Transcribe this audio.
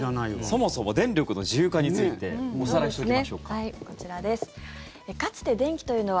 そもそも電力の自由化についておさらいしておきましょうか。